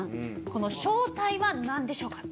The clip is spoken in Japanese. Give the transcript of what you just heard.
この正体は何でしょうか。